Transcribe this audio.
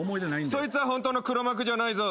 そいつはホントの黒幕じゃないぞ。